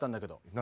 何？